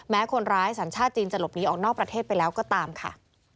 คนร้ายสัญชาติจีนจะหลบหนีออกนอกประเทศไปแล้วก็ตามค่ะ